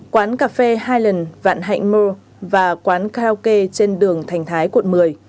quán cà phê highland vạn hạnh mall và quán karaoke trên đường thành thái quận một mươi